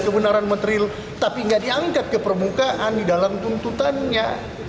kebenaran material tapi tidak diangkat ke permukaan di dalam tuntutannya